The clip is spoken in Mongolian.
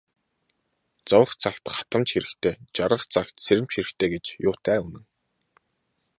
Зовох цагт хатамж хэрэгтэй, жаргах цагт сэрэмж хэрэгтэй гэж юутай үнэн.